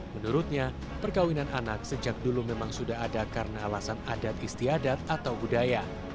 menurutnya perkawinan anak sejak dulu memang sudah ada karena alasan adat istiadat atau budaya